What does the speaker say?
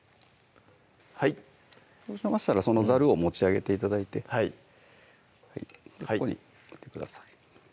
そうしましたらそのざるを持ち上げて頂いてここに置いてください